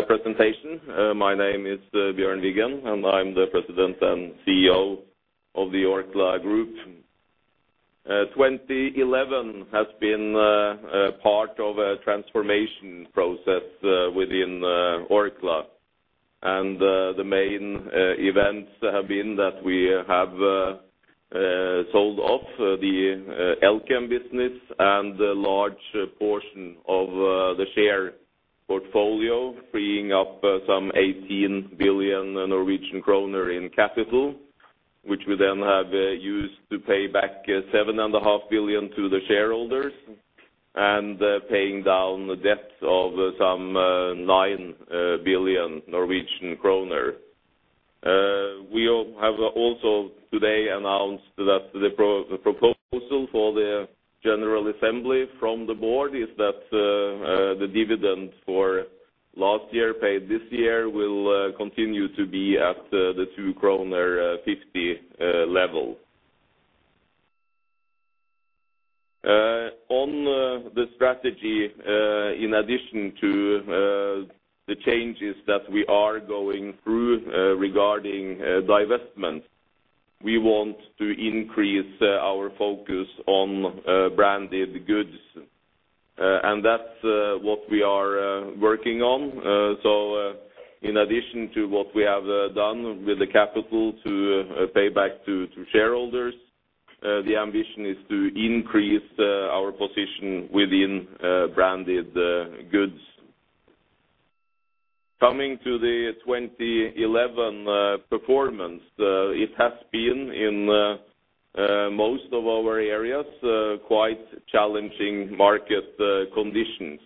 presentation. My name is Bjørn Wiggen, and I'm the President and CEO of the Orkla Group. 2011 has been a part of a transformation process within Orkla. The main events have been that we have sold off the Elkem business and a large portion of the share portfolio, freeing up some 18 billion Norwegian kroner in capital, which we then have used to pay back 7.5 billion to the shareholders, and paying down the debt of some 9 billion Norwegian kroner. We have also today announced that the proposal for the general assembly from the board is that the dividend for last year paid this year will continue to be at the 2.50 kroner level. On the strategy, in addition to the changes that we are going through regarding divestment, we want to increase our focus on branded goods. And that's what we are working on. So, in addition to what we have done with the capital to pay back to shareholders, the ambition is to increase our position within branded goods. Coming to the 2011 performance, it has been in most of our areas quite challenging market conditions.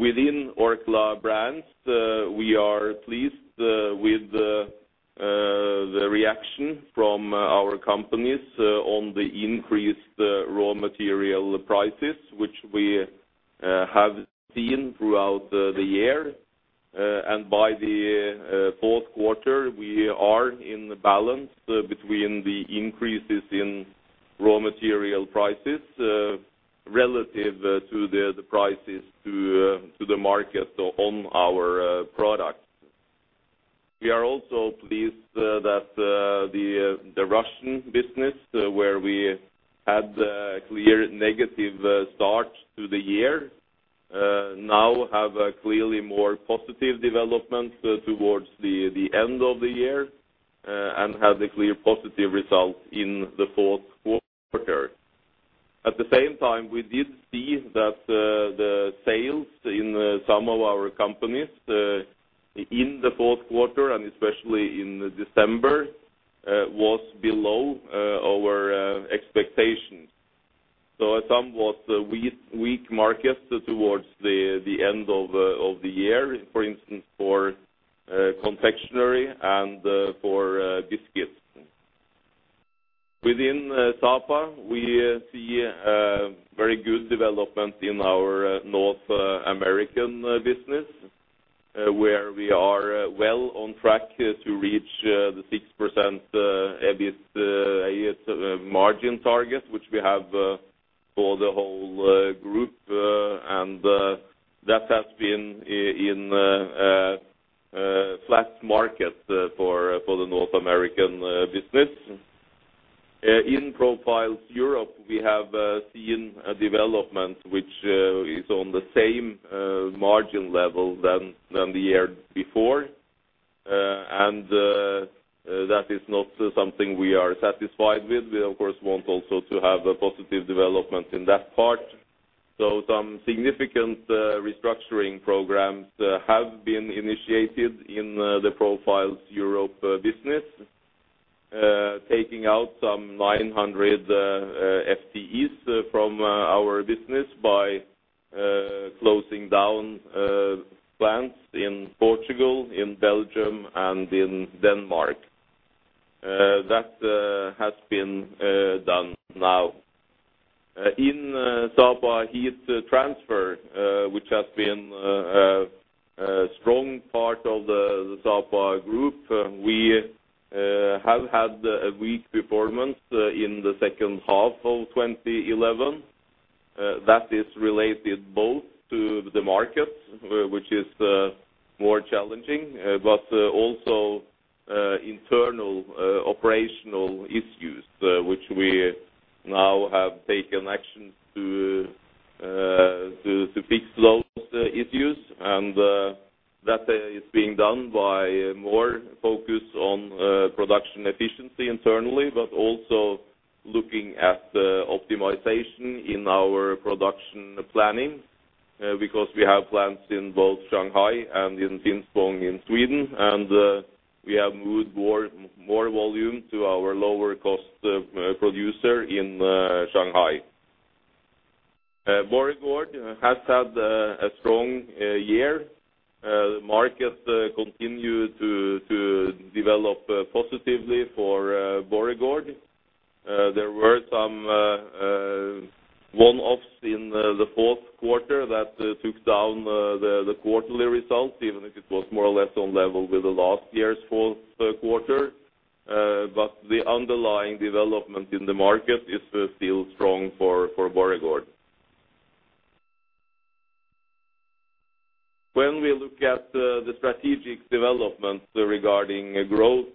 Within Orkla Brands, we are pleased with the reaction from our companies on the increased raw material prices, which we have seen throughout the year. And by the fourth quarter, we are in balance between the increases in raw material prices, relative to the prices to the market on our products. We are also pleased that the Russian business, where we had a clear negative start to the year, now have a clearly more positive development towards the end of the year, and have a clear positive result in the fourth quarter. At the same time, we did see that the sales in some of our companies in the fourth quarter, and especially in December, was below our expectations. So some was weak markets towards the end of the year, for instance, for confectionery and for biscuits. Within Sapa, we see very good development in our North American business, where we are well on track to reach the 6% EBIT margin target, which we have for the whole group. That has been in a flat market for the North American business. In Profiles Europe, we have seen a development which is on the same margin level than the year before. That is not something we are satisfied with. We, of course, want also to have a positive development in that part. Some significant restructuring programs have been initiated in the Profiles Europe business. Taking out some 900 FTEs from our business by closing down plants in Portugal, in Belgium, and in Denmark. That has been done now. In Sapa Heat Transfer, which has been a strong part of the Sapa Group, we have had a weak performance in the second half of 2011. That is related both to the market, which is more challenging, but also internal operational issues, which we now have taken actions to fix those issues. That is being done by more focus on production efficiency internally, but also looking at optimization in our production planning, because we have plants in both Shanghai and in Tingsryd in Sweden. We have moved more volume to our lower cost producer in Shanghai. Borregaard has had a strong year. The market continue to develop positively for Borregaard. There were some one-offs in the fourth quarter that took down the quarterly results, even if it was more or less on level with the last year's fourth quarter. The underlying development in the market is still strong for Borregaard. When we look at the strategic development regarding growth,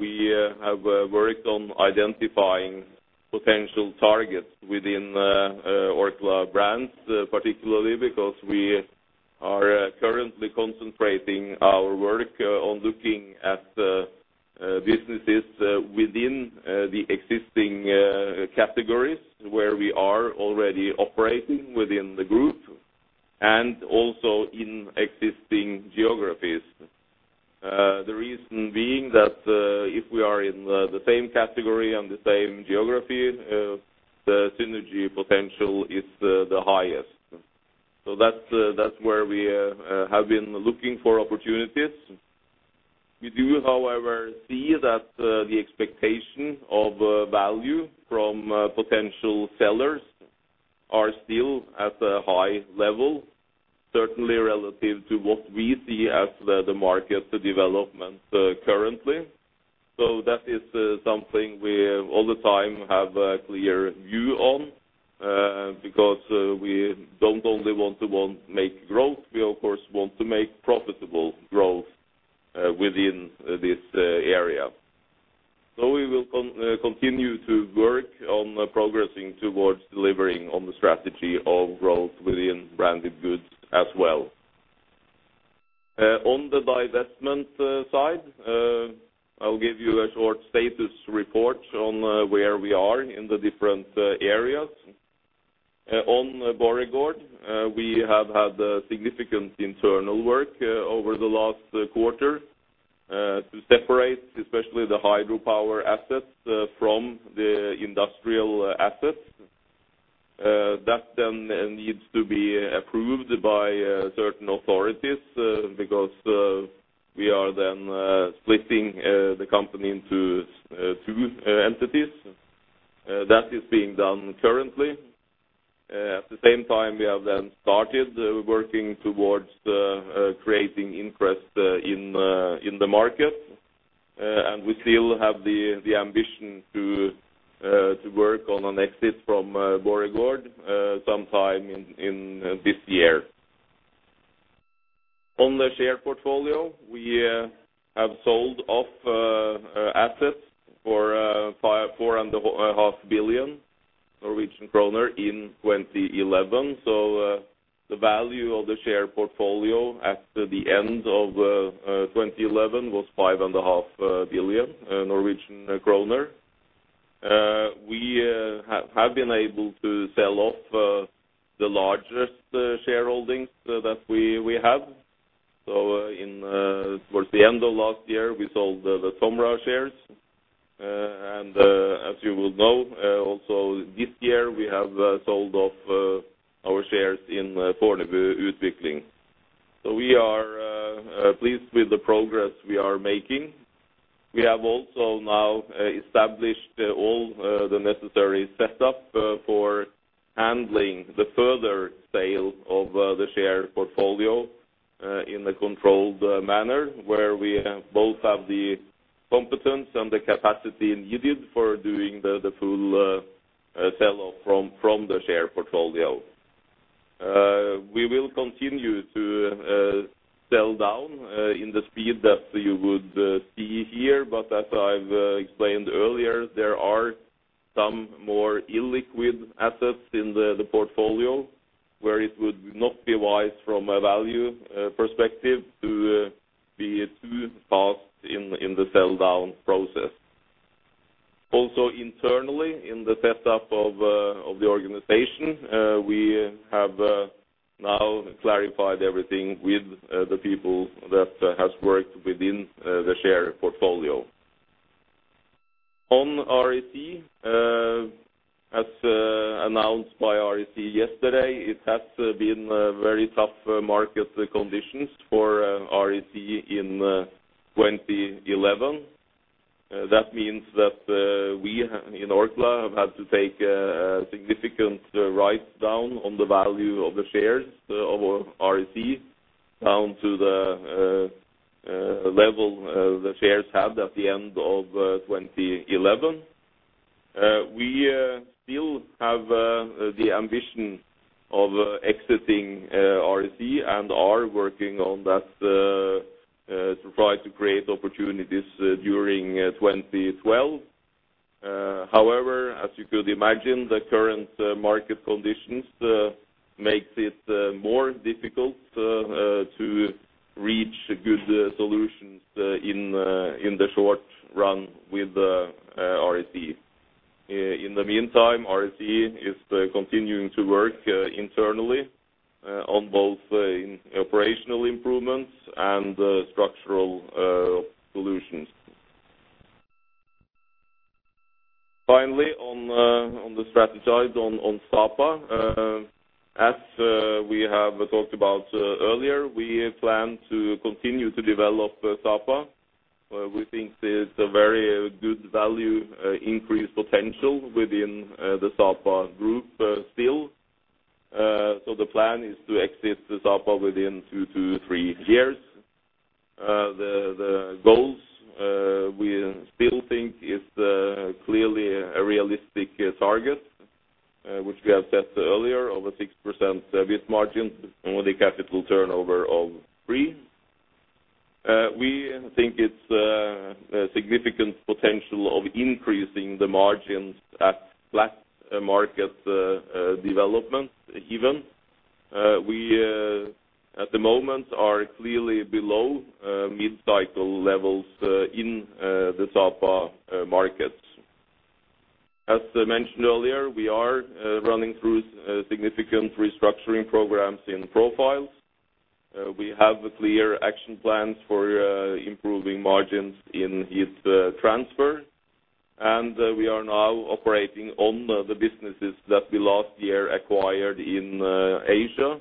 we have worked on identifying potential targets within Orkla Brands, particularly because we are currently concentrating our work on looking at businesses within the existing categories where we are already operating within the group, and also in existing geographies. The reason being that if we are in the same category and the same geography, the synergy potential is the highest. That's where we have been looking for opportunities. We do, however, see that the expectation of value from potential sellers are still at a high level, certainly relative to what we see as the market development currently. That is something we all the time have a clear view on, because we don't only want to make growth, we of course want to make profitable growth within this area. We will continue to work on progressing towards delivering on the strategy of growth within branded goods as well. On the divestment side, I'll give you a short status report on where we are in the different areas. On Borregaard, we have had a significant internal work over the last quarter to separate especially the hydropower assets from the industrial assets. That then needs to be approved by certain authorities, because we are then splitting the company into two entities. That is being done currently. At the same time, we have then started working towards creating interest in the market, and we still have the ambition to work on an exit from Borregaard sometime in this year. On the share portfolio, we have sold off assets for 4.5 billion Norwegian kroner in 2011. The value of the share portfolio at the end of 2011 was 5.5 billion Norwegian kroner. We have been able to sell off the largest shareholdings that we have. In towards the end of last year, we sold the Tomra shares. As you will know, also this year, we have sold off our shares in Fornebu Utvikling. We are pleased with the progress we are making. We have also now established all the necessary setup for handling the further sale of the share portfolio in a controlled manner, where we have both have the competence and the capacity needed for doing the full sell-off from the share portfolio. We will continue to sell down in the speed that you would see here, but as I've explained earlier, there are some more illiquid assets in the portfolio, where it would not be wise from a value perspective to be too fast in the sell-down process. Internally, in the setup of the organization, we have now clarified everything with the people that has worked within the share portfolio. On REC, as announced by REC yesterday, it has been very tough market conditions for REC in 2011. That means that we in Orkla have had to take a significant write-down on the value of the shares of REC, down to the level the shares had at the end of 2011. We still have the ambition of exiting REC and are working on that to try to create opportunities during 2012. However, as you could imagine, the current market conditions makes it more difficult to reach good solutions in the short run with REC. In the meantime, REC is continuing to work internally on both in operational improvements and structural solutions. Finally, on the strategy side, on Sapa, as we have talked about earlier, we plan to continue to develop Sapa. We think there's a very good value increase potential within the Sapa Group still. The plan is to exit Sapa within two-three years. The goals we still think is clearly a realistic target, which we have said earlier, over 6% EBIT margins with a capital turnover of three. We think it's a significant potential of increasing the margins at flat market development even. We at the moment are clearly below mid-cycle levels in the Sapa markets. As I mentioned earlier, we are running through significant restructuring programs in Profiles. We have clear action plans for improving margins in Heat Transfer, and we are now operating on the businesses that we last year acquired in Asia,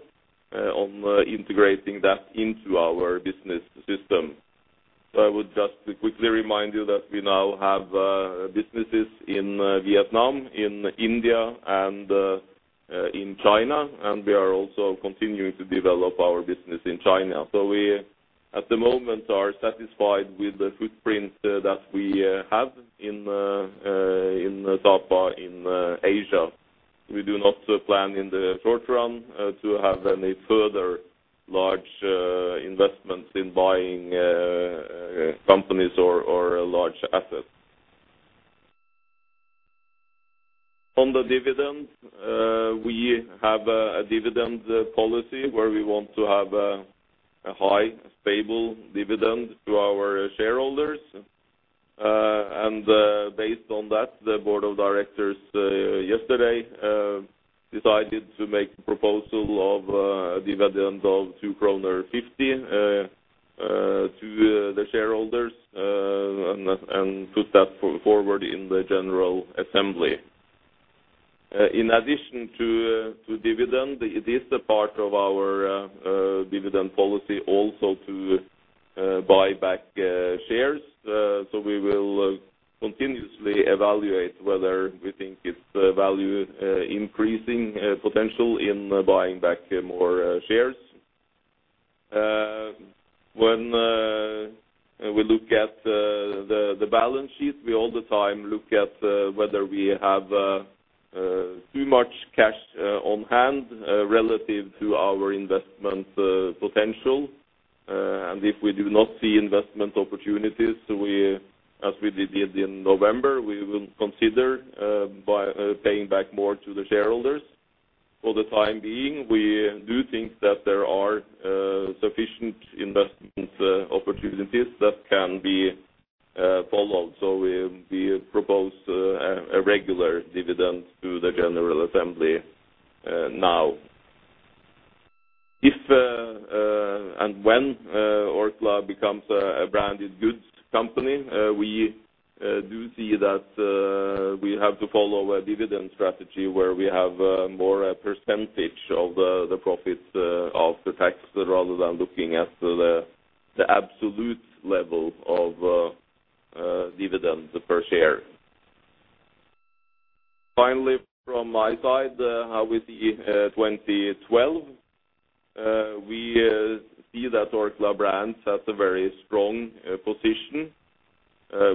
on integrating that into our business system. I would just quickly remind you that we now have businesses in Vietnam, in India, and in China, and we are also continuing to develop our business in China. We, at the moment, are satisfied with the footprint that we have in Sapa, in Asia. We do not plan in the short run to have any further large investments in buying companies or large assets. On the dividend, we have a dividend policy where we want to have a high, stable dividend to our shareholders. Based on that, the board of directors, yesterday, decided to make a proposal of a dividend of 2.50 kroner to the shareholders, and put that forward in the general assembly. In addition to dividend, it is a part of our dividend policy also to buy back shares. We will continuously evaluate whether we think it's a value increasing potential in buying back more shares. When we look at the balance sheet, we all the time look at whether we have too much cash on hand, relative to our investment potential. If we do not see investment opportunities, we, as we did in November, we will consider paying back more to the shareholders. For the time being, we do think that there are sufficient investment opportunities that can be followed. We propose a regular dividend to the general assembly now. If and when Orkla becomes a branded goods company, we do see that we have to follow a dividend strategy where we have more a % of the profits of the tax, rather than looking at the absolute level of dividends per share. Finally, from my side, how we see 2012. We see that Orkla Brands has a very strong position.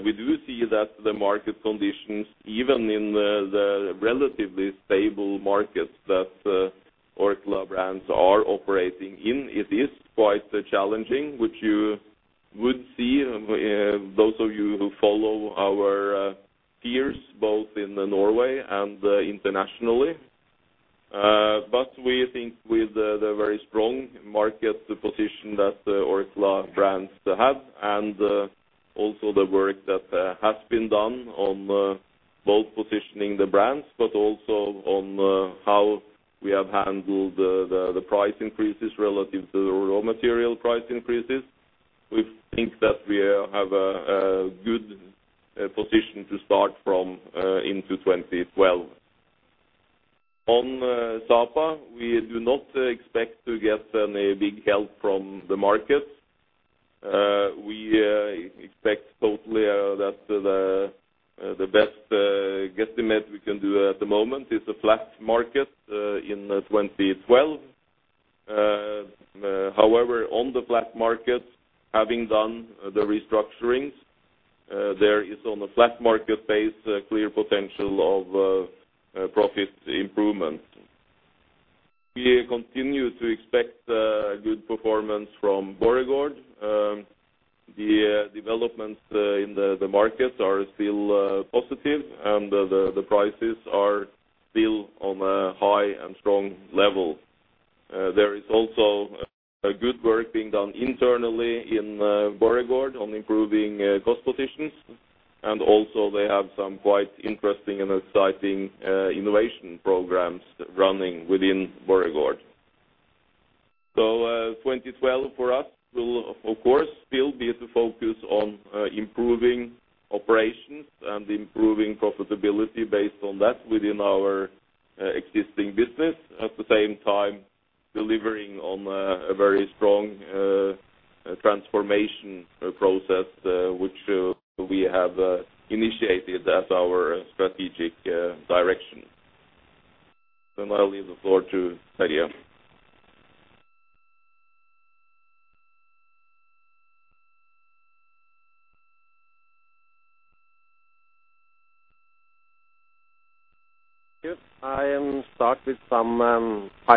We do see that the market conditions, even in the relatively stable markets that Orkla Brands are operating in, it is quite challenging, which you would see, those of you who follow our peers, both in the Norway and internationally. We think with the very strong market position that Orkla Brands have, and also the work that has been done on both positioning the brands, but also on how we have handled the, the price increases relative to the raw material price increases, we think that we have a good position to start from into 2012. On Sapa, we do not expect to get any big help from the market. We expect totally that the best guesstimate we can do at the moment is a flat market in 2012. However, on the flat market, having done the restructurings, there is on a flat market base, a clear potential of profit improvement. We continue to expect good performance from Borregaard. The developments in the market are still positive, and the prices are still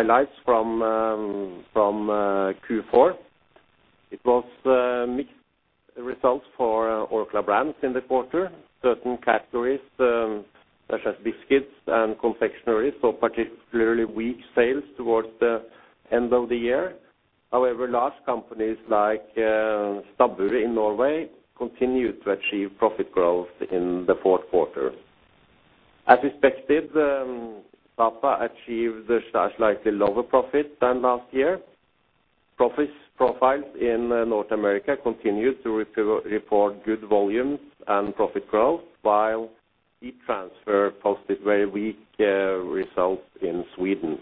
on a high and strong level. There is also a good work being done internally in Borregaard on improving cost positions, and also they have some quite interesting and exciting innovation programs running within Borregaard. 2012 for us will, of course, still be the focus on improving operations and improving profitability based on that within our existing business. At the same time delivering on a very strong transformation process, which we have initiated as our strategic direction. Now I leave the floor to Terje. Yes, I start with some highlights from Q4. It was mixed results for Orkla Brands in the quarter. Certain categories, such as biscuits and confectioneries, saw particularly weak sales towards the end of the year. Large companies like Stabburet in Norway, continued to achieve profit growth in the fourth quarter. As expected, Sapa achieved a slightly lower profit than last year. Profits Profiles in North America continued to report good volumes and profit growth, while Heat Transfer posted very weak results in Sweden.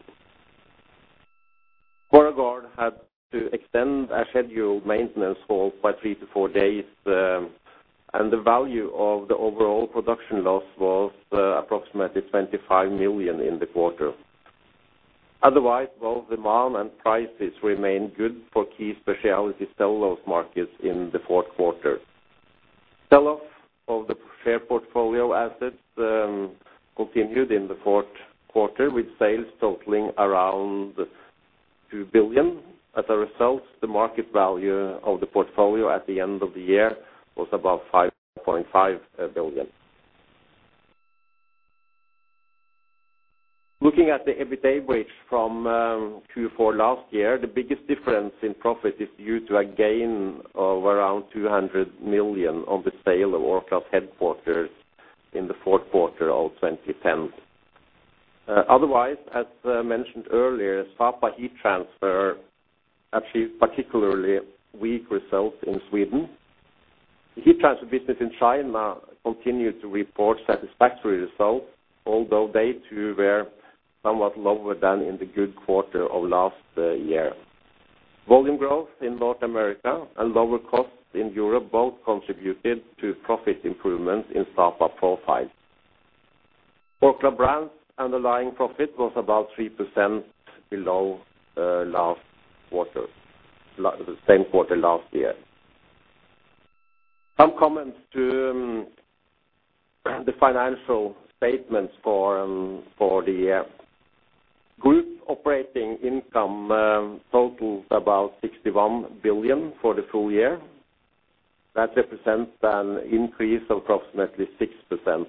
Borregaard had to extend a scheduled maintenance hold by three-four days, and the value of the overall production loss was approximately 25 million in the quarter. Otherwise, demand and prices remained good for key specialty cellulose markets in the fourth quarter. Sell-off of the fair portfolio assets continued in the fourth quarter, with sales totaling around 2 billion. As a result, the market value of the portfolio at the end of the year was about 5.5 billion. Looking at the EBITDA bridge from Q4 last year, the biggest difference in profit is due to a gain of around 200 million on the sale of Orkla's headquarters in the fourth quarter of 2010. Otherwise, as mentioned earlier, Sapa Heat Transfer achieved particularly weak results in Sweden. The Heat Transfer business in China continued to report satisfactory results, although they, too, were somewhat lower than in the good quarter of last year. Volume growth in North America and lower costs in Europe both contributed to profit improvements in Sapa Profiles. Orkla Brands' underlying profit was about 3% below, last quarter, the same quarter last year. Some comments to the financial statements for the year. Group operating income totals about 61 billion for the full year. That represents an increase of approximately 6%.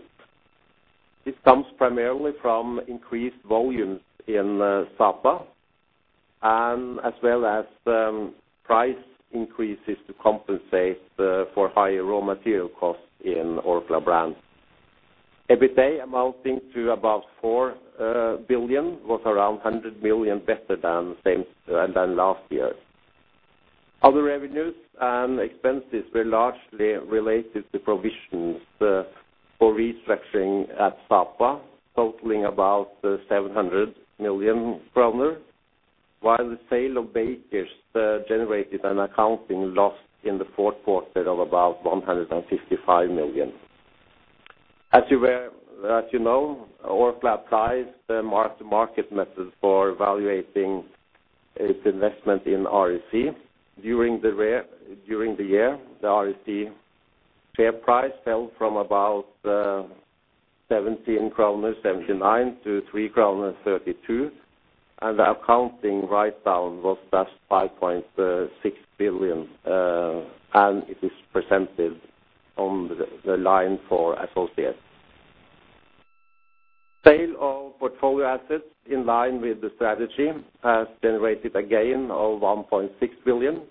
This comes primarily from increased volumes in Sapa, and as well as price increases to compensate for higher raw material costs in Orkla Brands. EBITDA, amounting to about 4 billion, was around 100 million better than last year. Other revenues and expenses were largely related to provisions for restructuring at Sapa, totaling about 700 million kroner, while the sale of Bakers generated an accounting loss in the fourth quarter of about 155 million. As you know, Orkla applies the mark-to-market method for evaluating its investment in REC. During the year, the REC share price fell from about 17.79-3.32 kroner, and the accounting write-down was thus 5.6 billion, and it is presented on the line for associates. Sale of portfolio assets, in line with the strategy, has generated a gain of 1.6 billion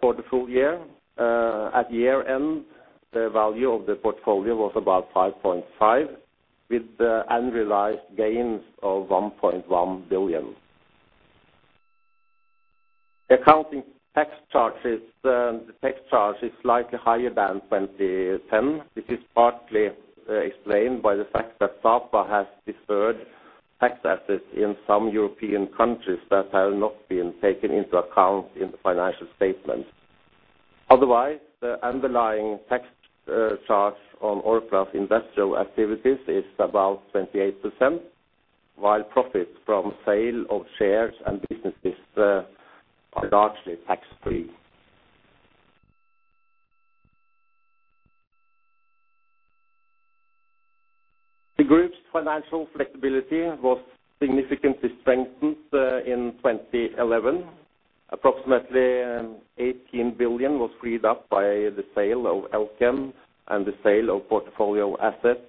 for the full year. At year-end, the value of the portfolio was about 5.5 billion, with unrealized gains of 1.1 billion. Accounting tax charges, the tax charge is slightly higher than 2010. This is partly explained by the fact that Sapa has deferred tax assets in some European countries that have not been taken into account in the financial statement. Otherwise, the underlying tax charge on Orkla's industrial activities is about 28%, while profits from sale of shares and businesses are largely tax-free. The group's financial flexibility was significantly strengthened in 2011. Approximately 18 billion was freed up by the sale of Elkem and the sale of portfolio assets,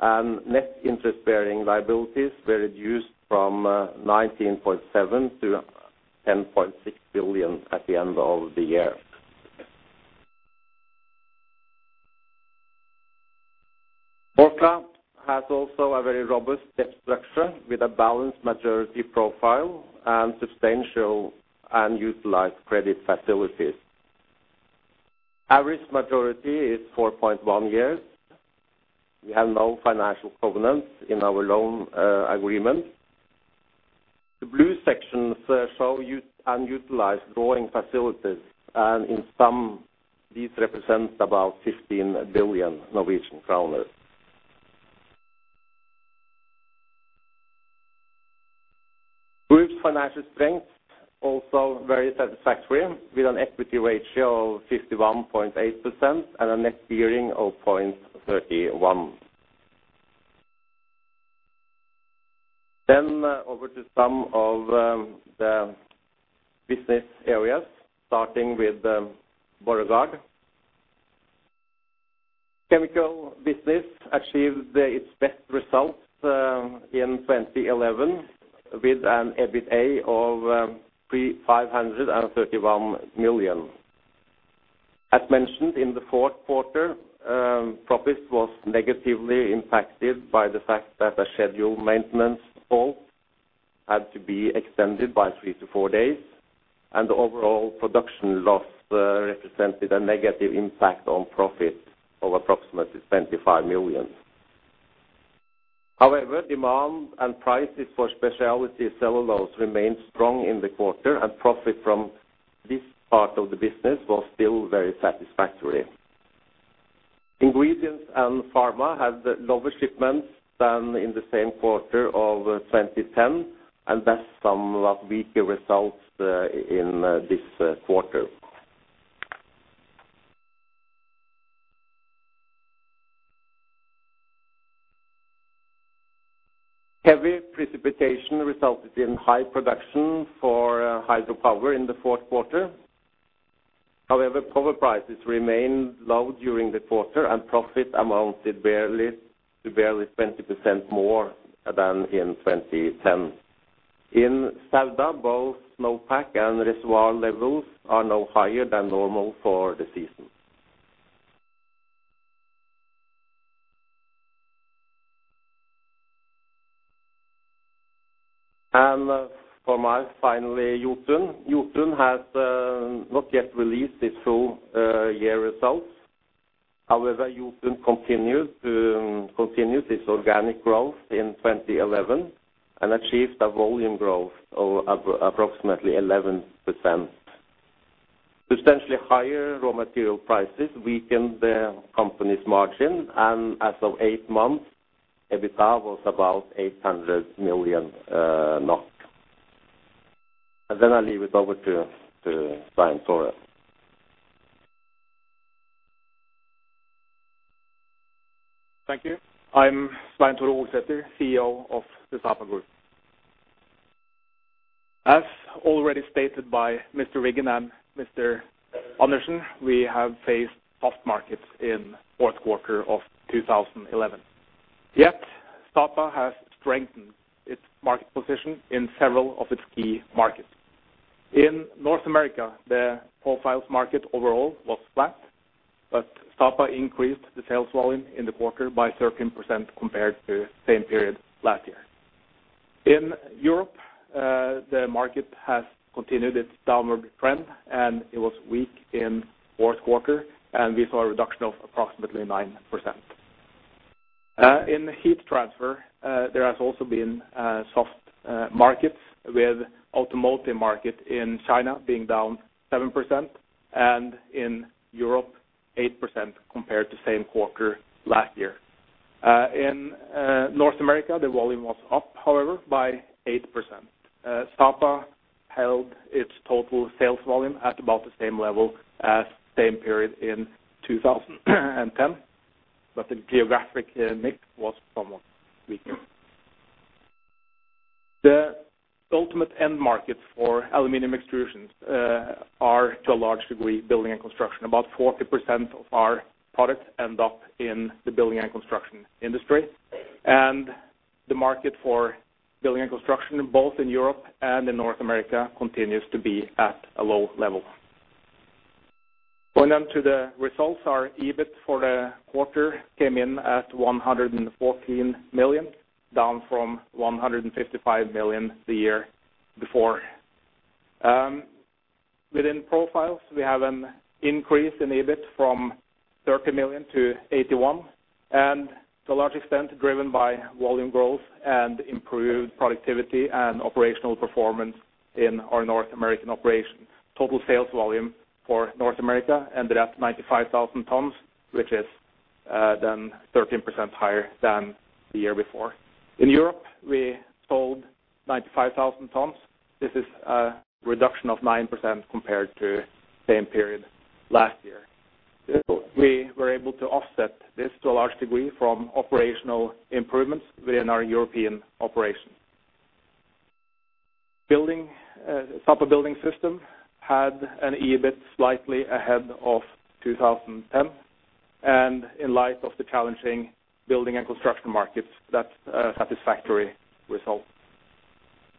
and net interest-bearing liabilities were reduced from 19.7 billion-10.6 billion at the end of the year. Orkla has also a very robust debt structure, with a balanced maturity profile and substantial unutilized credit facilities. Average maturity is 4.1 years. We have no financial covenants in our loan agreement. The blue sections show unutilized drawing facilities, and in some, these represent about 15 billion Norwegian kroner. Group's financial strength also very satisfactory, with an equity ratio of 51.8% and a net gearing of 0.31. Over to some of the business areas, starting with Borregaard. Chemical business achieved its best results in 2011, with an EBITDA of 531 million. As mentioned in the fourth quarter, profit was negatively impacted by the fact that a scheduled maintenance halt had to be extended by three-four days, and overall production loss represented a negative impact on profit of approximately 75 million. Demand and prices for specialty cellulose remained strong in the quarter, and profit from this part of the business was still very satisfactory. Ingredients and Pharma had lower shipments than in the same quarter of 2010, and thus some weaker results in this quarter. Heavy precipitation resulted in high production for hydropower in the fourth quarter. However, power prices remained low during the quarter, and profit amounted to barely 20% more than in 2010. In Sauda, both snowpack and reservoir levels are now higher than normal for the season. For my finally, Jotun. Jotun has not yet released its full year results. However, Jotun continued its organic growth in 2011 and achieved a volume growth of approximately 11%. Substantially higher raw material prices weakened the company's margin. As of eight months, EBITDA was about 800 million NOK. I leave it over to Svein Tore. Thank you. I'm Svein Tore Holsether, CEO of the Sapa Group. As already stated by Mr. Wiggen and Mr. Andersen, we have faced tough markets in fourth quarter of 2011. Yet, Sapa has strengthened its market position in several of its key markets. In North America, the profiles market overall was flat, but Sapa increased the sales volume in the quarter by 13% compared to same period last year. In Europe, the market has continued its downward trend, and it was weak in fourth quarter, and we saw a reduction of approximately 9%. In Sapa Heat Transfer, there has also been soft markets, with automotive market in China being down 7%, and in Europe, 8% compared to same quarter last year. In North America, the volume was up, however, by 8%. Sapa held its total sales volume at about the same level as same period in 2010, the geographic mix was somewhat weaker. The ultimate end market for aluminum extrusions are, to a large degree, building and construction. About 40% of our products end up in the building and construction industry, the market for building and construction, both in Europe and in North America, continues to be at a low level. Going on to the results, our EBIT for the quarter came in at 114 million, down from 155 million the year before. Within profiles, we have an increase in EBIT from 30 million to 81 million, to a large extent, driven by volume growth and improved productivity and operational performance in our North American operation. Total sales volume for North America ended at 95,000 tons, which is then 13% higher than the year before. In Europe, we sold 95,000 tons. This is a reduction of 9% compared to same period last year. We were able to offset this, to a large degree, from operational improvements within our European operations. Building Sapa Building System had an EBIT slightly ahead of 2010, and in light of the challenging building and construction markets, that's a satisfactory result.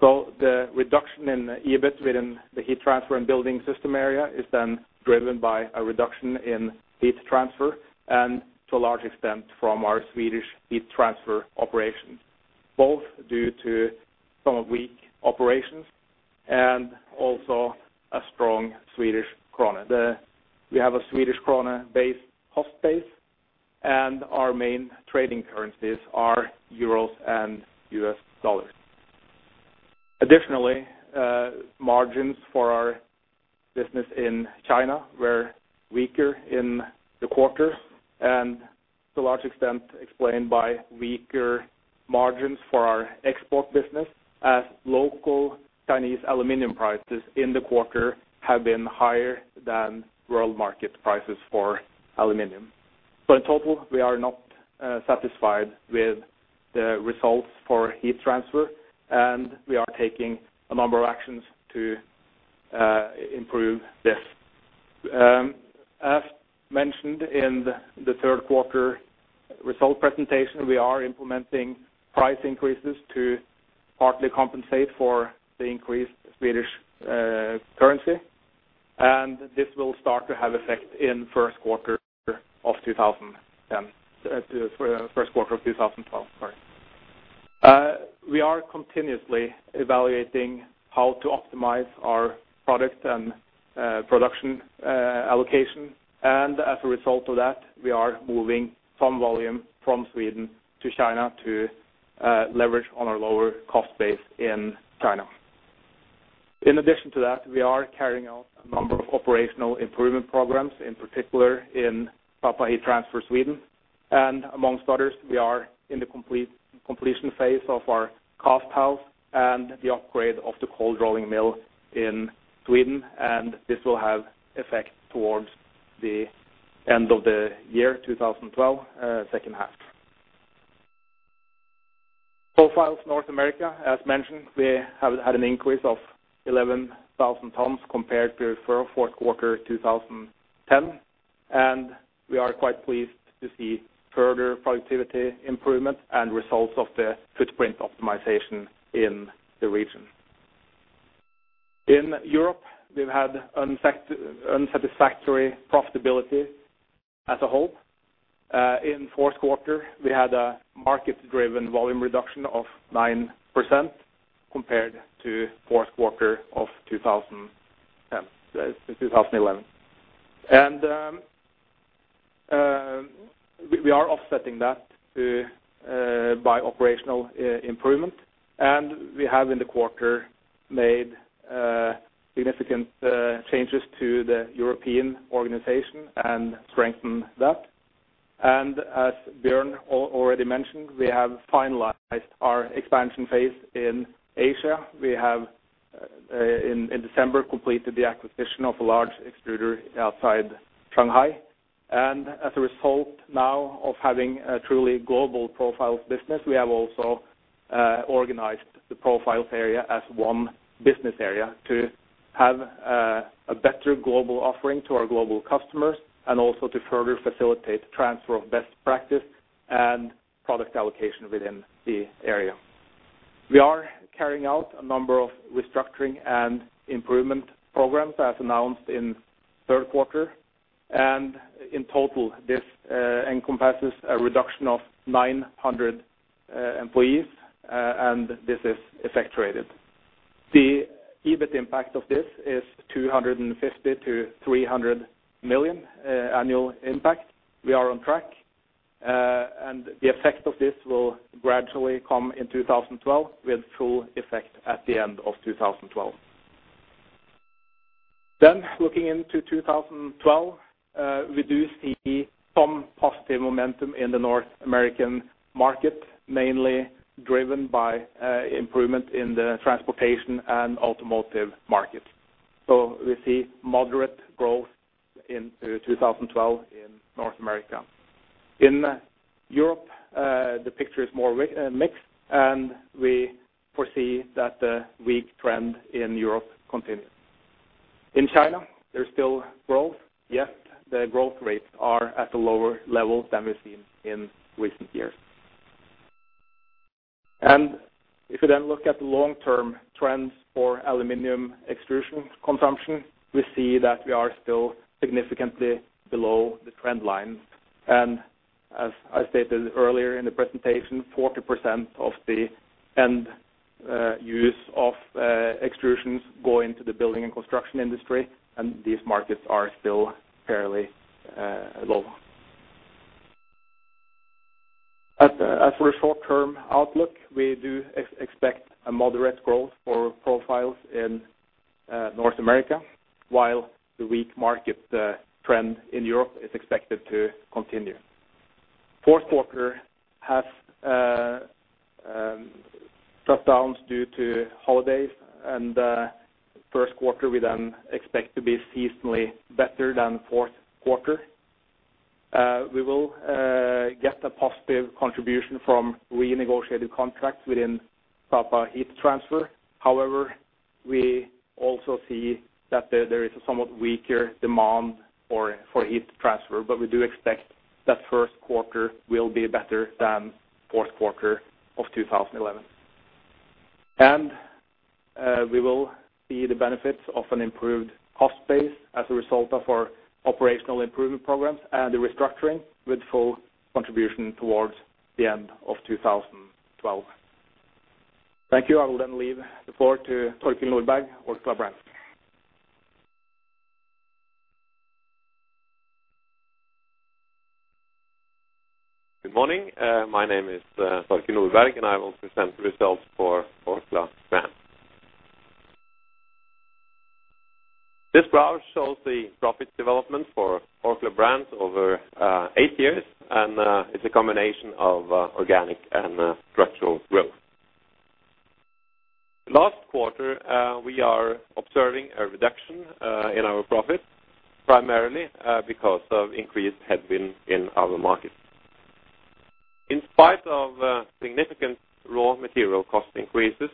The reduction in EBIT within the Heat Transfer and building system area is then driven by a reduction in Heat Transfer, and to a large extent, from our Swedish Heat Transfer operations. both due to some weak operations and also a strong Swedish krona. We have a Swedish krona base, cost base, and our main trading currencies are euros and U.S. dollars. Additionally, margins for our business in China were weaker in the quarter, and to a large extent explained by weaker margins for our export business, as local Chinese aluminum prices in the quarter have been higher than world market prices for aluminum. In total, we are not satisfied with the results for heat transfer, and we are taking a number of actions to improve this. As mentioned in the third quarter result presentation, we are implementing price increases to partly compensate for the increased Swedish currency, and this will start to have effect in first quarter of 2012, sorry. We are continuously evaluating how to optimize our product and production allocation. As a result of that, we are moving some volume from Sweden to China to leverage on our lower cost base in China. In addition to that, we are carrying out a number of operational improvement programs, in particular in Sapa Heat Transfer, Sweden, and amongst others, we are in the completion phase of our cost health and the upgrade of the cold rolling mill in Sweden, and this will have effect towards the end of the year, 2012, second half. Sapa Profiles North America, as mentioned, we have had an increase of 11,000 tons compared to fourth quarter 2010, and we are quite pleased to see further productivity improvement and results of the footprint optimization in the region. In Europe, we've had unsatisfactory profitability as a whole. In fourth quarter, we had a market-driven volume reduction of 9% compared to fourth quarter of 2011. We are offsetting that by operational improvement, and we have, in the quarter, made significant changes to the European organization and strengthened that. As Bjørn already mentioned, we have finalized our expansion phase in Asia. We have in December completed the acquisition of a large extruder outside Shanghai. As a result now of having a truly global profiles business, we have also organized the profiles area as one business area to have a better global offering to our global customers, and also to further facilitate the transfer of best practice and product allocation within the area. We are carrying out a number of restructuring and improvement programs, as announced in third quarter, and in total, this encompasses a reduction of 900 employees, and this is effectuated. The EBIT impact of this is 250 million-300 million annual impact. We are on track, and the effect of this will gradually come in 2012, with full effect at the end of 2012. Looking into 2012, we do see some positive momentum in the North American market, mainly driven by improvement in the transportation and automotive markets. We see moderate growth in 2012 in North America. In Europe, the picture is more mixed, and we foresee that the weak trend in Europe continues. In China, there's still growth, yet the growth rates are at a lower level than we've seen in recent years. If you then look at the long-term trends for aluminum extrusions consumption, we see that we are still significantly below the trend line. As I stated earlier in the presentation, 40% of the end use of extrusions go into the building and construction industry, and these markets are still fairly low. As for a short-term outlook, we do expect a moderate growth for profiles in North America, while the weak market trend in Europe is expected to continue. Fourth quarter has dropped down due to holidays, and first quarter, we then expect to be seasonally better than fourth quarter. We will get a positive contribution from renegotiated contracts within Sapa Heat Transfer. However, we also see that there is a somewhat weaker demand for heat transfer, but we do expect that first quarter will be better than fourth quarter of 2011. We will see the benefits of an improved cost base as a result of our operational improvement programs and the restructuring, with full contribution towards the end of 2012. Thank you. I will then leave the floor to Torkild Nordberg, Orkla Brands. Good morning, my name is Torkild Nordberg, and I will present the results for Orkla Brands. This graph shows the profit development for Orkla Brands over eight years, and it's a combination of organic and structural growth. Last quarter, we are observing a reduction in our profits, primarily because of increased headwind in our markets. In spite of significant raw material cost increases,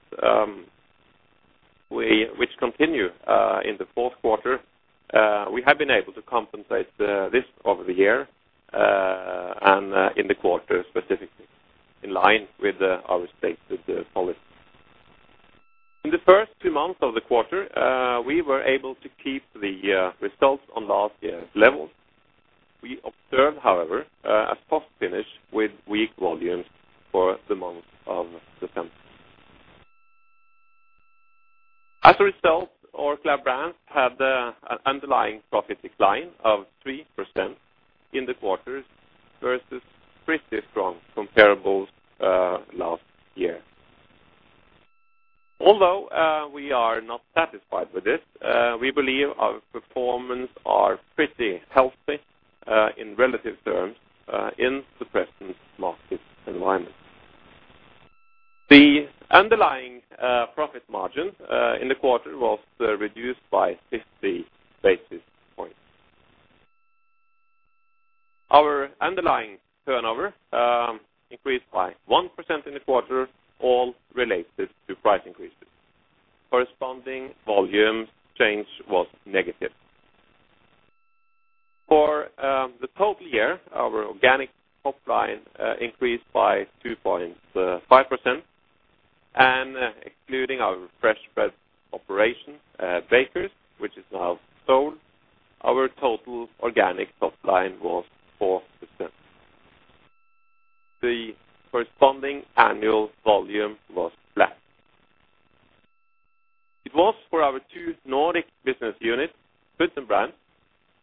which continue in the fourth quarter, we have been able to compensate this over the year, and in the quarter, specifically, in line with our stated policy. In the first two months of the quarter, we were able to keep the results on last year's level. We observed, however, a soft finish with weak volumes for the month of December. As a result, Orkla Brands had an underlying profit decline of 3% in the quarter versus pretty strong comparables last year. Although we are not satisfied with this, we believe our performance are pretty healthy in relative terms in the present market environment. The underlying profit margin in the quarter was reduced by 50 basis points. Our underlying turnover increased by 1% in the quarter, all related to price increases. Corresponding volume change was negative. For the total year, our organic top line increased by 2.5%, and excluding our fresh bread operation, Bakers, which is now sold, our total organic top line was 4%. The corresponding annual volume was flat. It was for our two Nordic business units, Foods and Brands,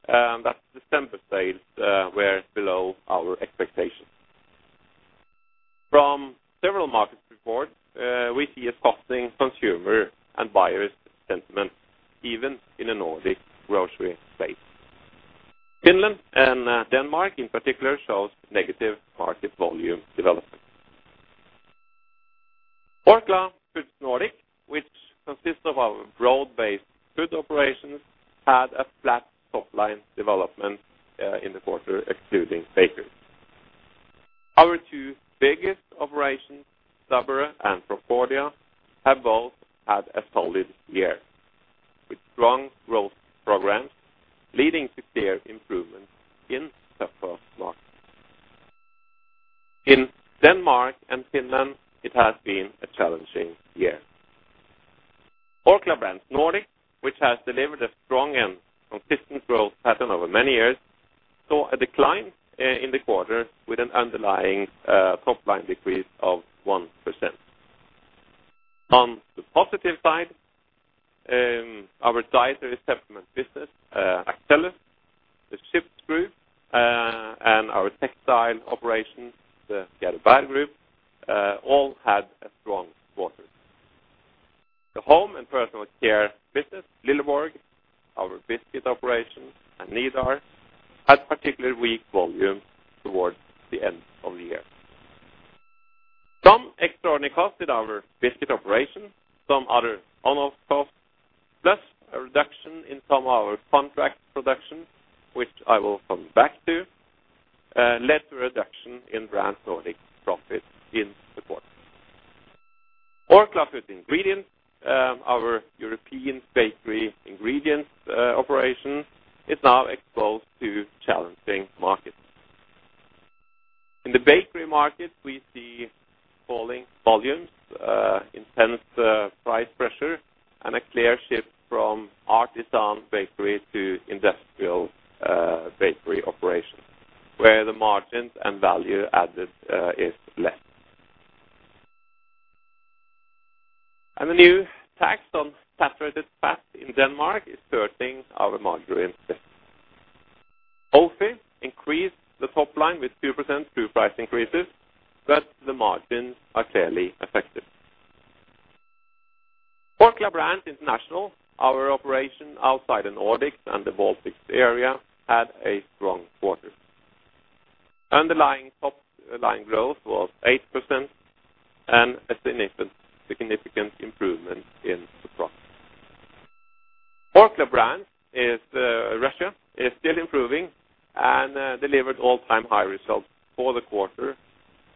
that December sales were below our expectations. From several markets reports, we see a costing consumer and buyers sentiment, even in the Nordic grocery space. Finland and Denmark, in particular, shows negative market volume development. Orkla Foods Nordic, which consists of our broad-based food operations, had a flat top-line development in the quarter, excluding Bakers. Our two biggest operations, Sabra and Procordia, have both had a solid year, with strong growth programs leading to clear improvements in the first market. In Denmark and Finland, it has been a challenging year. Orkla Brands Nordic, which has delivered a strong and consistent growth pattern over many years, saw a decline in the quarter with an underlying top-line decrease of 1%. On the positive side, our dietary supplement business, Axellus, the Chips Group, and our textile operations, the Gjerrud Group, all had a strong quarter. The home and personal care business, Lilleborg, our biscuit operation, and Nidar, had particularly weak volumes towards the end of the year. Some extraordinary costs in our biscuit operation, some other one-off costs, plus a reduction in some of our contract production, which I will come back to, led to a reduction in Orkla Brands Nordic profit in the quarter. Orkla Food Ingredients, our European bakery ingredients operation, is now exposed to challenging markets. In the bakery market, we see falling volumes, intense price pressure, and a clear shift from artisan bakery to industrial bakery operations, where the margins and value added is less. The new tax on saturated fat in Denmark is hurting our margarine business. OFI increased the top line with 2% through price increases, but the margins are clearly affected. Orkla Brands International, our operation outside the Nordics and the Baltics area, had a strong quarter. Underlying top line growth was 8% and a significant improvement in the profit. Orkla Brands Russia is still improving and delivered all-time high results for the quarter,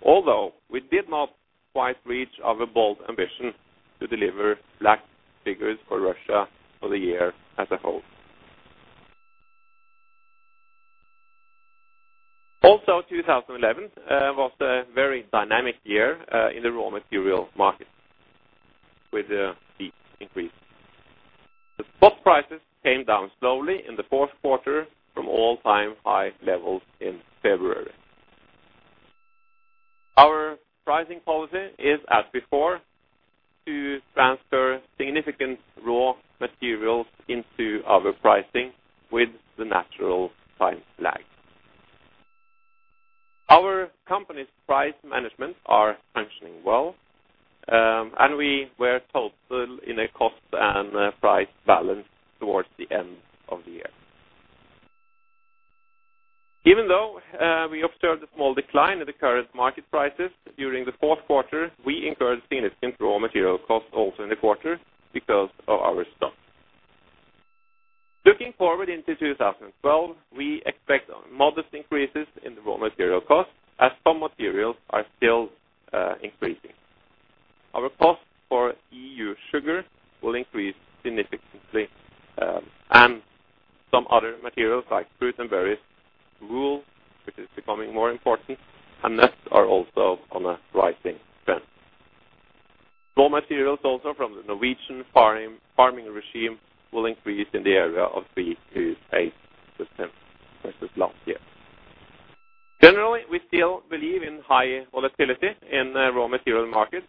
although we did not quite reach our bold ambition to deliver black figures for Russia for the year as a whole. 2011 was a very dynamic year in the raw material market, with a big increase. The spot prices came down slowly in the fourth quarter from all-time high levels in February. Our pricing policy is, as before, to transfer significant raw materials into our pricing with the natural time lag. Our company's price management are functioning well, and we were total in a cost and price balance towards the end of the year. Even though we observed a small decline in the current market prices during the fourth quarter, we encouraged significant raw material costs also in the quarter because of our stock. Looking forward into 2012, we expect modest increases in the raw material costs, as some materials are still increasing. Our cost for EU sugar will increase significantly, and some other materials, like fruit and various wool, which is becoming more important, and nuts, are also on a rising trend. Raw materials, also from the Norwegian farming regime, will increase in the area of 3%-8% versus last year. Generally, we still believe in high volatility in the raw material markets.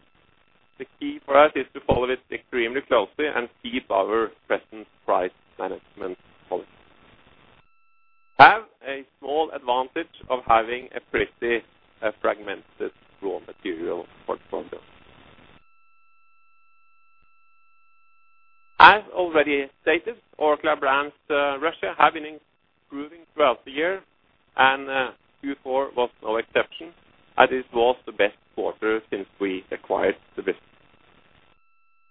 The key for us is to follow it extremely closely and keep our present price management policy. Have a small advantage of having a pretty fragmented raw material portfolio. As already stated, Orkla Brands Russia, have been improving throughout the year, and Q4 was no exception, as it was the best quarter since we acquired the business.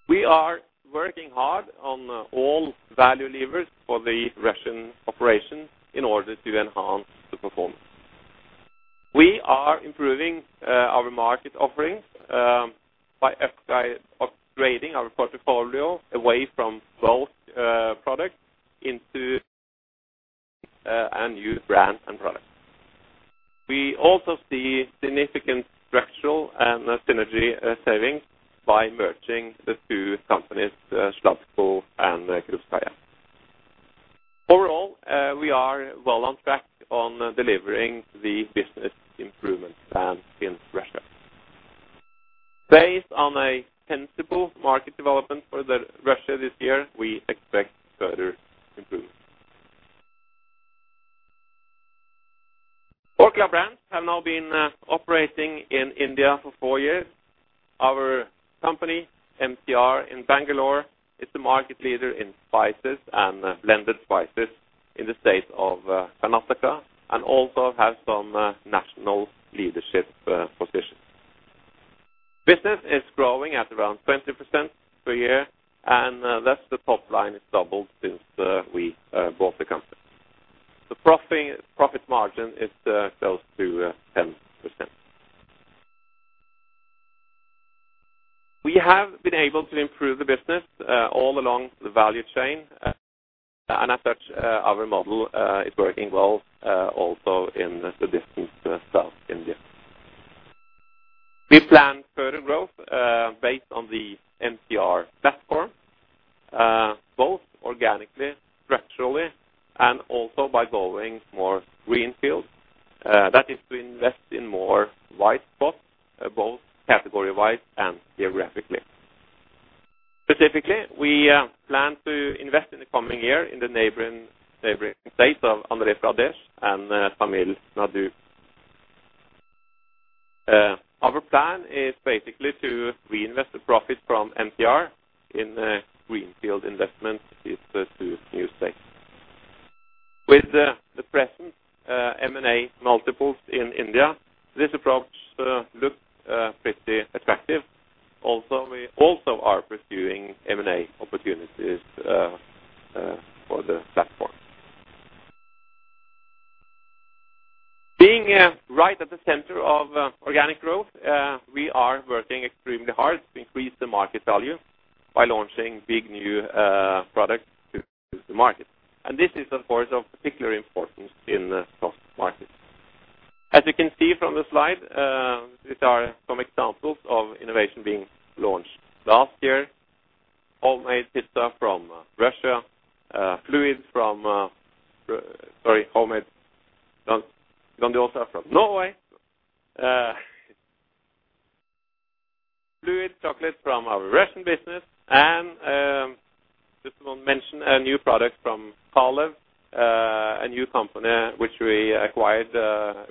We are working hard on all value levers for the Russian operations in order to enhance the performance. We are improving our market offerings by upgrading our portfolio away from both products into and new brand and products. We also see significant structural and synergy savings by merging the two companies, SladCo and Krupskaya. Overall, we are well on track on delivering the business improvement plan in Russia. Based on a sensible market development for the Russia this year, we expect further improvements. Orkla Brands have now been operating in India for four years. Our company, MTR in Bengaluru, is the market leader in spices and blended spices in the state of Karnataka, and also have some national leadership positions. Business is growing at around 20% per year, and thus, the top line has doubled since we bought the company. The profit margin is close to 10%. We have been able to improve the business all along the value chain, and as such, our model is working well also in the business itself in India. We plan further growth based on the MTR platform, both organically, structurally, and also by going more greenfield. That is to invest in more wide spots, both category-wide and geographically. Specifically, we plan to invest in the coming year in the neighboring states of Andhra Pradesh and Tamil Nadu. Our plan is basically to reinvest the profit from MTR in greenfield investment into two new states. With the present M&A multiples in India, this approach looks pretty attractive. We also are pursuing M&A opportunities for the platform. Being right at the center of organic growth, we are working extremely hard to increase the market value by launching big new products to the market. This is, of course, of particular importance in the stock market. As you can see from the slide, these are some examples of innovation being launched. Last year, homemade pizza from Russia, homemade... Grandiosa from Norway, fluid chocolate from our Russian business, just to mention a new product from Kalev, a new company which we acquired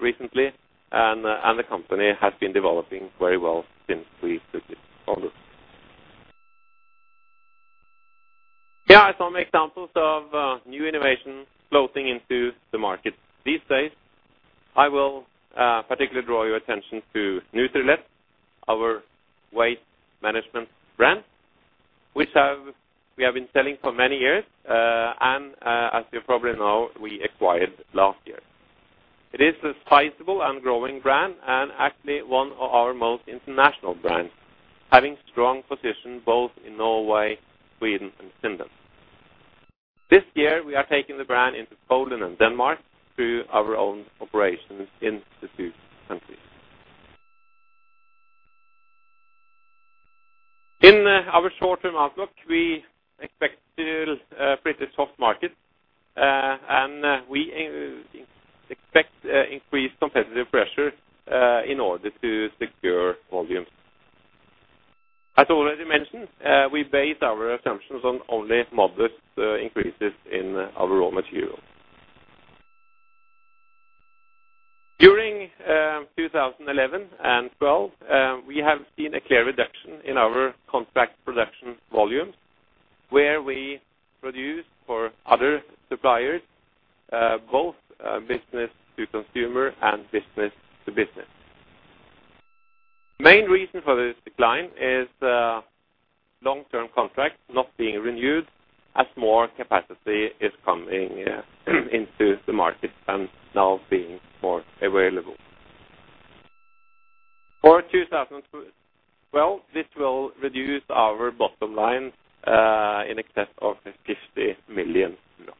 recently, and the company has been developing very well since we took it on board. Here are some examples of new innovation floating into the market these days. I will particularly draw your attention to Nutrilett, our weight management brand, which we have been selling for many years, and as you probably know, we acquired last year. It is a sizable and growing brand, and actually one of our most international brands, having strong position both in Norway, Sweden, and the U.K. This year, we are taking the brand into Poland and Denmark through our own operations in the two countries. In our short-term outlook, we expect still a pretty soft market, and we expect increased competitive pressure in order to secure volumes. As already mentioned, we base our assumptions on only modest increases in our raw materials. During 2011 and 2012, we have seen a clear reduction in our contract production volumes, where we produce for other suppliers, both business to consumer and business to business. Main reason for this decline is long-term contracts not being renewed as more capacity is coming into the market and now being more available. For 2012, this will reduce our bottom line in excess of 50 million NOK.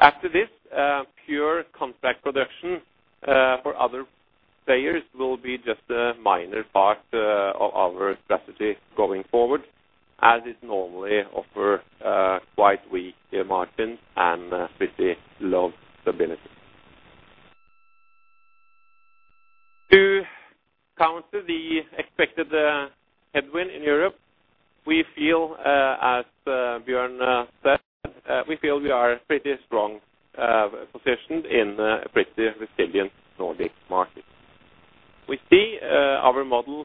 After this, pure contract production for other players will be just a minor part of our strategy going forward, as it normally offer quite weak margins and pretty low stability. To counter the expected headwind in Europe, we feel, as Bjørn Vigan said, we feel we are pretty strong positioned in a pretty resilient Nordic Market. We see our model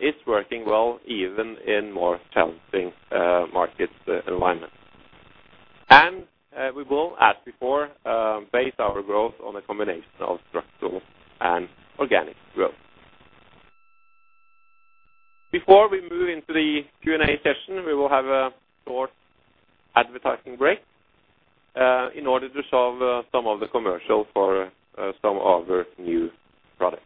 is working well even in more challenging market alignment. We will, as before, base our growth on a combination of structural and organic growth. Before we move into the Q&A session, we will have a short advertising break in order to show some of the commercial for some of our new products.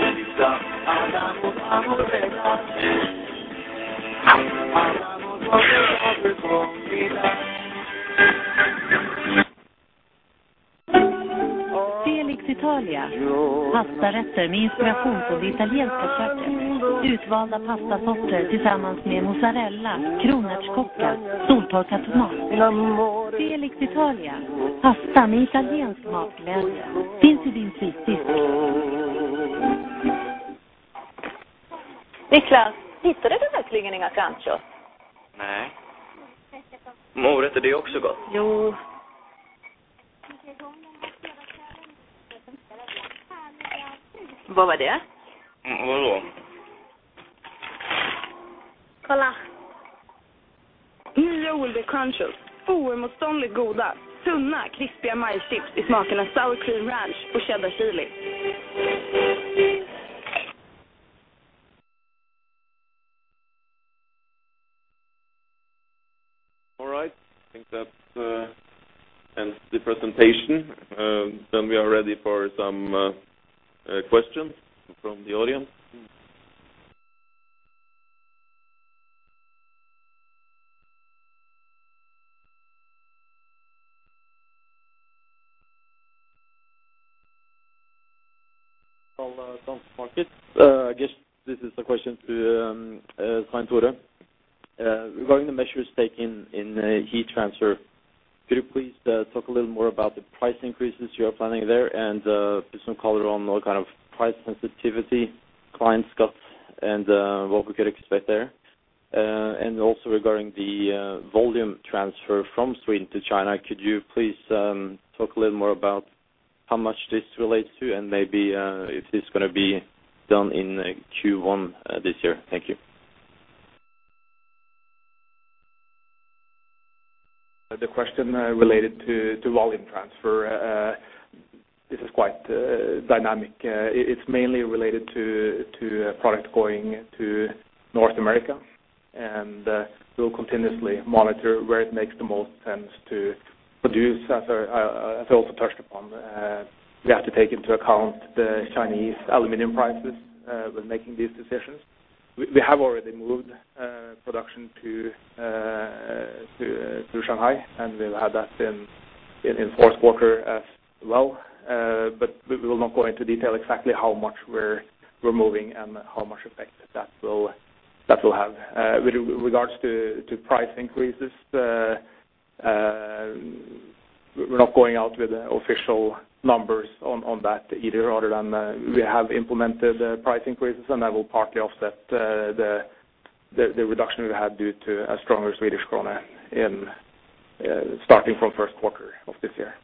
All right. I think that ends the presentation. We are ready for some questions from the audience. Paul, from Market. I guess this is a question to Svein Tore. Regarding the measures taken in Heat Transfer, could you please talk a little more about the price increases you are planning there, and put some color on what kind of price sensitivity clients got and what we could expect there? Also regarding the volume transfer from Sweden to China, could you please talk a little more about how much this relates to, and maybe if this is gonna be done in Q1 this year? Thank you. The question related to volume transfer. This is quite dynamic. It's mainly related to product going to North America. We'll continuously monitor where it makes the most sense to produce. As I also touched upon, we have to take into account the Chinese aluminum prices when making these decisions. We have already moved production to Shanghai, and we'll have that in fourth quarter as well. We will not go into detail exactly how much we're moving and how much effect that will have. With regards to price increases, we're not going out with official numbers on that either, other than we have implemented price increases, and that will partly offset the reduction we had due to a stronger Swedish Krona in starting from first quarter of this year.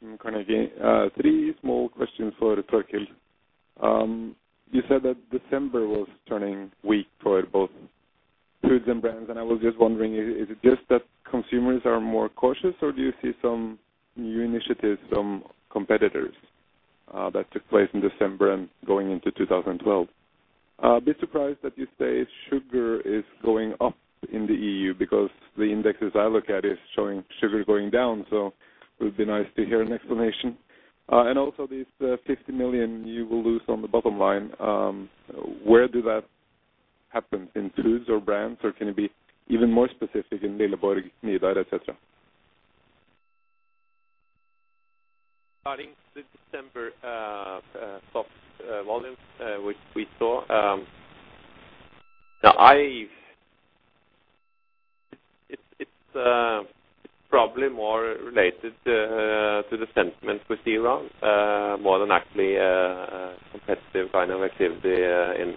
Good evening, I'm from Carnegie. Three small questions for Torkil. You said that December was turning weak for both foods and Brands, I was just wondering, is it just that consumers are more cautious, or do you see some new initiatives from competitors, that took place in December and going into 2012? A bit surprised that you say sugar is going up in the EU, because the indexes I look at is showing sugar going down, so it would be nice to hear an explanation. Also these 50 million you will lose on the bottom line, where did that happen, in foods or Brands, or can you be even more specific in Lilleborg, Nidar, et cetera? Starting with December, soft volumes, which we saw. It's probably more related to the sentiment we see around more than actually a competitive kind of activity in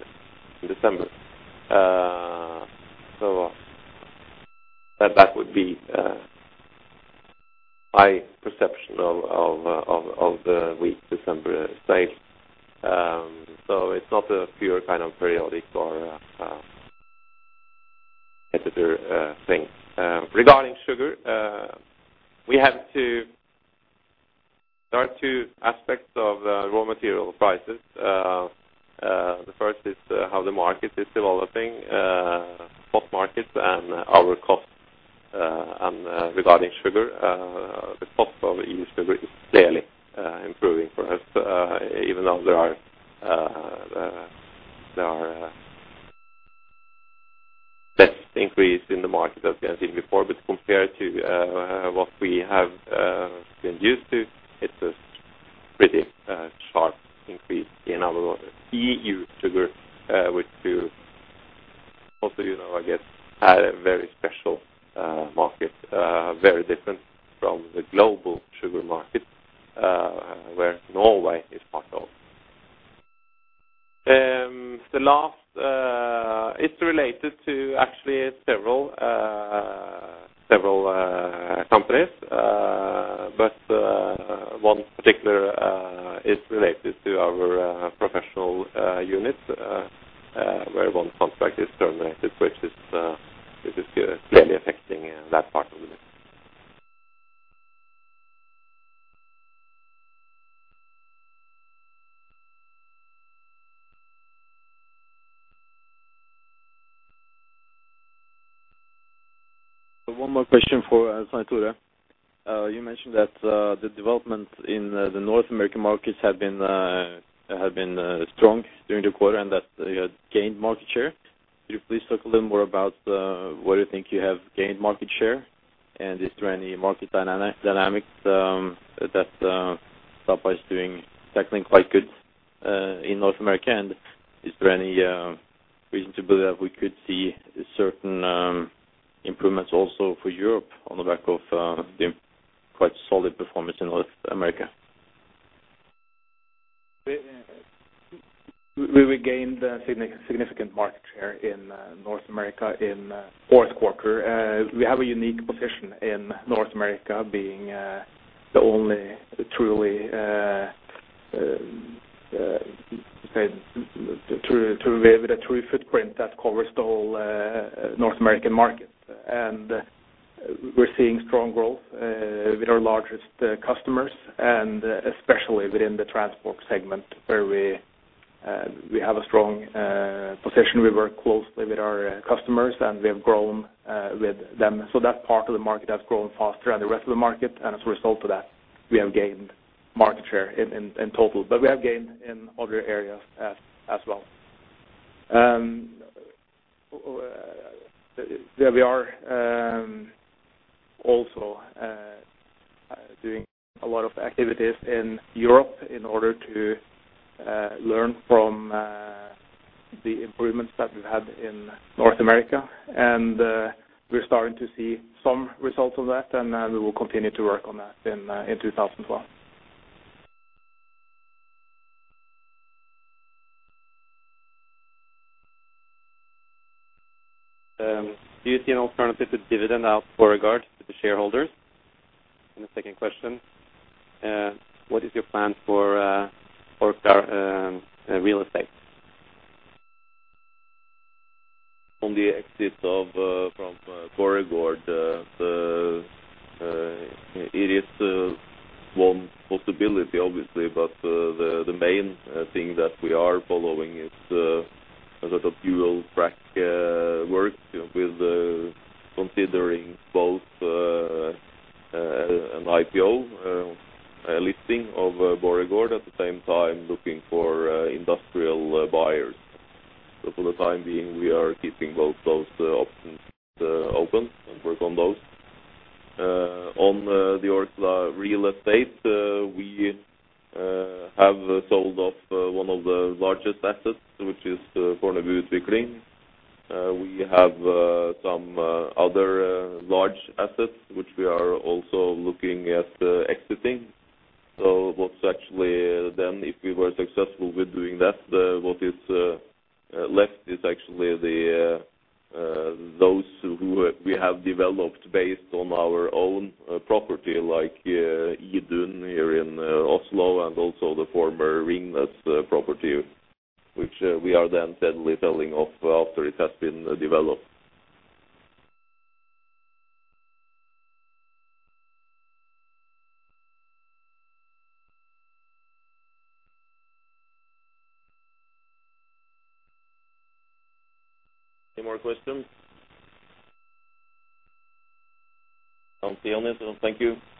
December. That would be my perception of the weak December sales. It's not a pure kind of periodic or editor thing. Regarding sugar, there are two aspects of raw material prices. The first is how the Market is developing, spot markets and our cost. Regarding sugar, the cost of EU sugar is clearly improving for us, even though there are less increase in the Market as we have seen before. Compared to what we have been used to, it's a pretty sharp increase in our EU sugar, which to also, you know, I guess, had a very special market, very different from the global sugar market, where Norway is part of. The last is related to actually several countries. One particular is related to our professional unit, where one contract is terminated, which is clearly affecting that part of the business. One more question for Svein Tore. You mentioned that the development in the North American markets have been strong during the quarter, and that you had gained market share. Could you please talk a little more about where you think you have gained market share? Is there any market dynamics that Sapa is doing technically quite good in North America? Is there any reason to believe that we could see certain improvements also for Europe on the back of the quite solid performance in North America? We gained significant market share in North America in fourth quarter. We have a unique position in North America, being the only truly with a true footprint that covers the whole North American market. We're seeing strong growth with our largest customers, and especially within the transport segment, where we have a strong position. We work closely with our customers, and we have grown with them. That part of the market has grown faster than the rest of the market, and as a result of that, we have gained market share in total. We have gained in other areas as well. We are also doing a lot of activities in Europe in order to learn from the improvements that we've had in North America. We're starting to see some results of that, and we will continue to work on that in 2012. Do you see an alternative to dividend out Borregaard to the shareholders? The second question, what is your plan for real estate? On the exit of from Borregaard, the it is one possibility, obviously, but the the main thing that we are following is a lot of dual track work with considering both an IPO, a listing of Borregaard, at the same time, looking for industrial buyers. For the time being, we are keeping both those options open and work on those. On the Orkla real estate, we have sold off one of the largest assets, which is Fornebu Utvikling. We have some other large assets, which we are also looking at exiting. What's actually then, if we were successful with doing that, what is left is actually the those who we have developed based on our own property, like Idun here in Oslo, and also the former Ringnes property, which we are then steadily selling off after it has been developed. Any more questions? I don't see any. Thank you.